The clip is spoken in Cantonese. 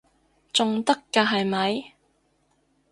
仲得㗎係咪？